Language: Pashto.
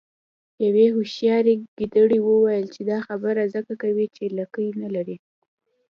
یوې هوښیارې ګیدړې وویل چې دا خبره ځکه کوې چې لکۍ نلرې.